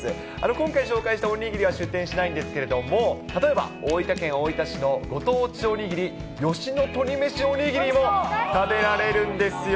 今回、紹介したおにぎりは出店しないんですけれども、例えば、大分県大分市のご当地おにぎり、吉野鶏めしおにぎりも食べられるんですよ。